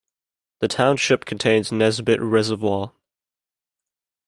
The township contains Nesbitt Reservoir.